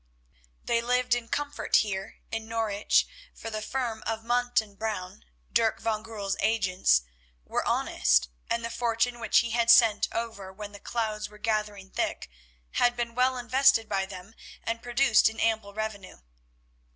They lived in comfort here in Norwich, for the firm of Munt and Brown, Dirk van Goorl's agents, were honest, and the fortune which he had sent over when the clouds were gathering thick, had been well invested by them and produced an ample revenue.